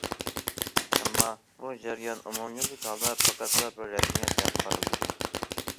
ئەمما بۇ جەريان ئومۇميۈزلۈك ھالدا پەقەتلا بىر رەسمىيەت دەپ قارىلىدىكەن.